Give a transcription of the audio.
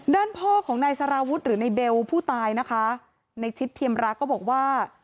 ด้านพ่อของนายสารวุฒิหรือในเบลผู้ตายนะคะในชิดเทียมรักก็บอกว่า